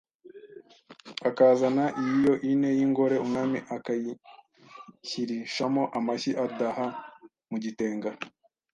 akazana iyio ine y’ingore Umwami akaishyirishamo amashyi Adaha mu gitenga